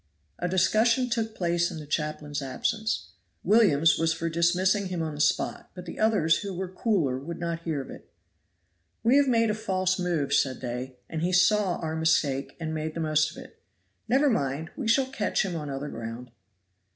A discussion took place in the chaplain's absence. Williams was for dismissing him on the spot, but the others who were cooler would not hear of it. "We have made a false move," said they, "and he saw our mistake and made the most of it. Never mind! we shall catch him on other ground."